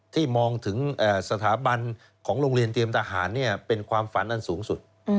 ที่มองถึงสถาบันของโรงเรียนเตรียมทหารเป็นความฝันอันสูงสุด